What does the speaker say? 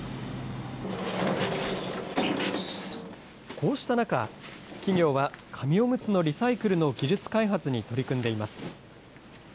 こうした中、企業は紙おむつのリサイクルの技術開発に取り組んでいます。